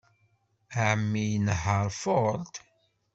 Ɛemmi inehheṛ Ford.